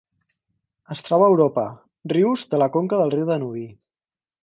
Es troba a Europa: rius de la conca del riu Danubi.